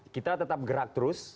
kita tetap gerak terus